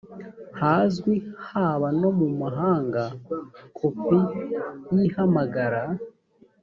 hazwi haba no mu mahanga kopi y ihamagara